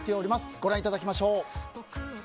ご覧いただきましょう。